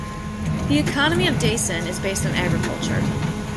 The economy of Daisen is based on agriculture.